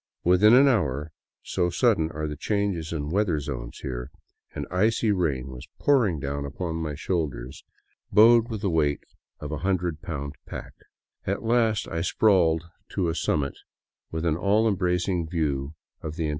Within an hour — so sudden are the changes in weather zones here — an icy rain was pouring down upon my shoulders bowed with the weight of a 176 DOWN VOLCANO AVENUE hundred pound pack. At last I sprawled to a summit with an all embracing view of the en.